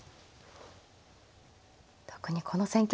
特にこの戦型